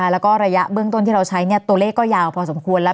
แล้วก็ระยะเบื้องต้นที่เราใช้ตัวเลขก็ยาวพอสมควรแล้ว